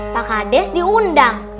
pak hades diundang